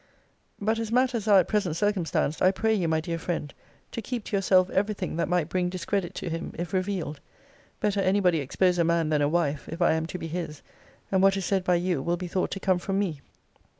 But as matters are at present circumstanced, I pray you, my dear friend, to keep to yourself every thing that might bring discredit to him, if revealed. Better any body expose a man than a wife, if I am to be his; and what is said by you will be thought to come from me.